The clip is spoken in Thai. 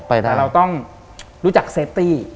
แต่เราต้องรู้จักเซฟตี้